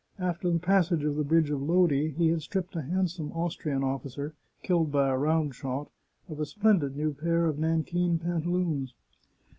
After the passage of the Bridge of Lodi he had stripped a handsome Austrian officer, killed by a round shot, of a splendid new pair of nankeen pantaloons.